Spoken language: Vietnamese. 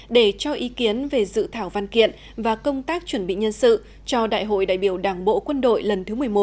để cho ý kiến về dự thảo văn kiện và công tác chuẩn bị nhân sự cho đại hội đại biểu đảng bộ quân đội lần thứ một mươi một